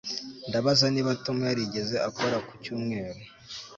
Ndabaza niba Tom yarigeze akora ku cyumweru